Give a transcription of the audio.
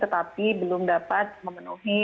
tetapi belum dapat memenuhi